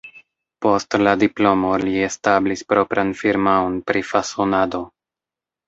Post la diplomo li establis propran firmaon pri fasonado.